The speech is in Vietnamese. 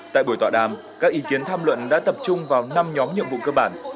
tại buổi tọa đàm các ý kiến tham luận đã tập trung vào năm nhóm nhiệm vụ cơ bản